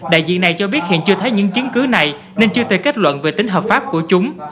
đại diện này cho biết hiện chưa thấy những chứng cứ này nên chưa tới kết luận về tính hợp pháp của chúng